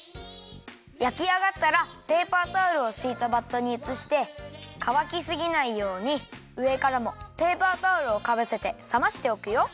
やきあがったらペーパータオルをしいたバットにうつしてかわきすぎないようにうえからもペーパータオルをかぶせてさましておくよ。